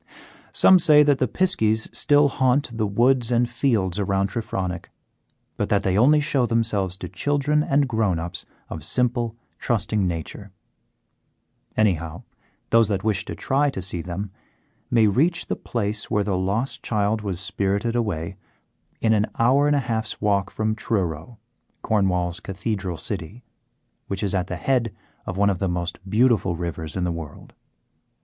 Some say that the piskies still haunt the woods and fields around Trefronick, but that they only show themselves to children and grown ups of simple, trusting nature. Anyhow, those that wish to try to see them may reach the place where the lost child was spirited away in an hour and a half's walk from Truro, Cornwall's cathedral city, which is at the head of one of the most beautiful rivers in the world.